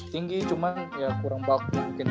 tinggi cuman ya kurang baku mungkin